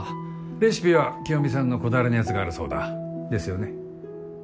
レシピは清美さんのこだわりのやつがあるそうだ。ですよね？